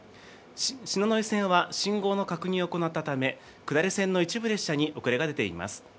篠ノ井線は、信号の確認を行ったため、下り線の一部列車に遅れが出ています。